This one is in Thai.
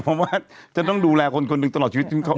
เพราะว่าจะต้องดูแลคนตลอดชีวิต